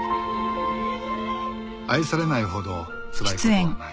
愛されないほどつらい事はない